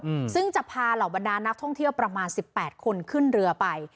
อืมซึ่งจะพาเหล่าบรรดานักท่องเที่ยวประมาณสิบแปดคนขึ้นเรือไป